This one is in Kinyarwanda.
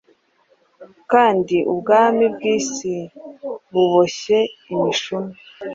kandi ubwami bw'isi buboshye imishumi,